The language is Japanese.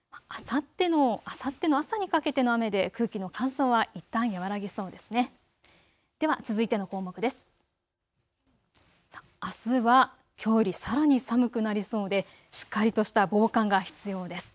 あさっての朝にかけての雨で空気の乾燥はいったん和らぎそうですね。